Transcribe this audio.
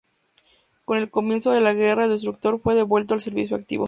Con el comienzo de la guerra el destructor fue devuelto al servicio activo.